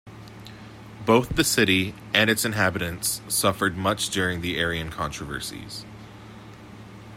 Both the city and its inhabitants suffered much during the Arian controversies.